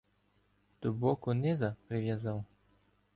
До боку Низа прив’язав.